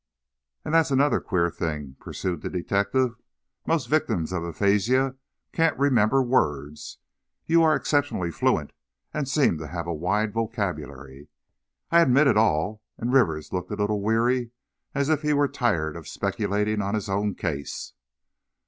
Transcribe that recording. "And that's another queer thing," pursued the detective. "Most victims of aphasia can't remember words. You are exceptionally fluent and seem to have a wide vocabulary." "I admit it all," and Rivers looked a little weary, as if he were tired of speculating on his own case.